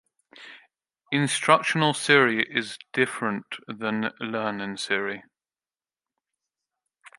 Instructional theory is different than learning theory.